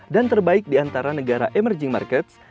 dan terbaik di antara negara emerging markets